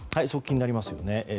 それ、気になりますよね。